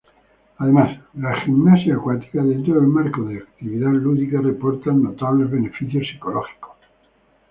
Además la gimnasia acuática dentro del marco de actividad lúdica reportan notables beneficio psicológicos.